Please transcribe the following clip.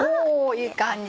いい感じ